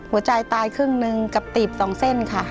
หัวใจตายครึ่งหนึ่งกับตีบสองเส้นค่ะ